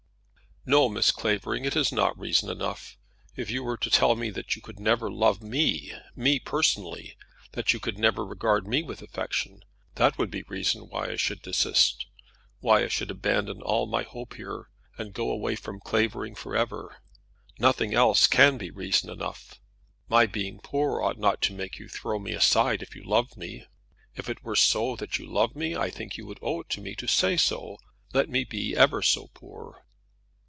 "No, Miss Clavering, it is not reason enough. If you were to tell me that you could never love me, me, personally, that you could never regard me with affection, that would be reason why I should desist; why I should abandon all my hope here, and go away from Clavering for ever. Nothing else can be reason enough. My being poor ought not to make you throw me aside if you loved me. If it were so that you loved me, I think you would owe it me to say so, let me be ever so poor."